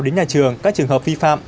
đến nhà trường các trường hợp vi phạm